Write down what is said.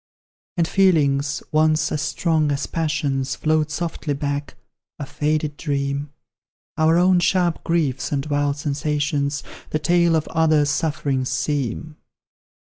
And feelings, once as strong as passions, Float softly back a faded dream; Our own sharp griefs and wild sensations, The tale of others' sufferings seem.